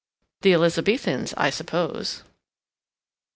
"The Elizabethans, I suppose."